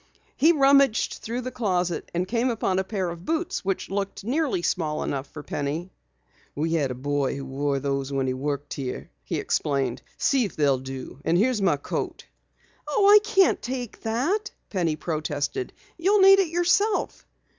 He rummaged through the closet and came upon a pair of boots which looked nearly small enough for Penny. "We had a boy who wore those when he worked here," he explained. "See if they'll do. And here's my coat." "Oh, I can't take it," Penny protested. "You'll need it yourself."